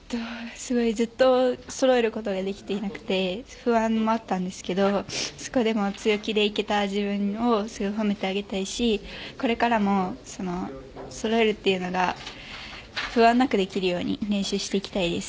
ずっと揃えることができていなくて不安もあったんですけど強気でいけた自分を褒めてあげたいしこれからも揃えるというのが不安なくできるように練習していきたいです。